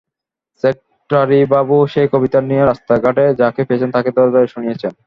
সেক্রেটারিবাবু সেই কবিতাটা নিয়ে রাস্তায় ঘাটে যাকে পেয়েছেন তাকে ধরে ধরে শুনিয়েছেন।